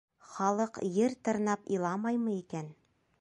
Халыҡ ер тырнап иламаймы икән.